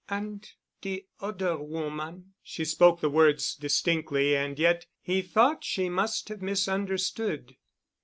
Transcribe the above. "And de oder woman——" She spoke the words distinctly, and yet he thought he must have misunderstood.